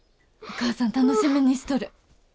お母さん楽しみにしとる。